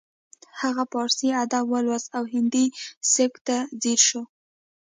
هغه پارسي ادب ولوست او هندي سبک ته ځیر شو